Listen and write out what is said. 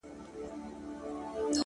د مرگي راتلو ته _ بې حده زیار باسه _